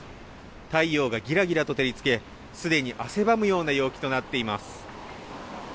太陽がぎらぎらと照り付けすでに汗ばむような陽気となっています。